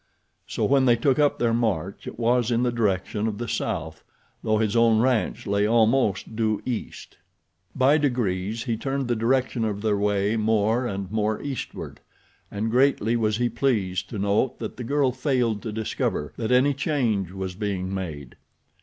So when they took up their march it was in the direction of the south, though his own ranch lay almost due east. By degrees he turned the direction of their way more and more eastward, and greatly was he pleased to note that the girl failed to discover that any change was being made.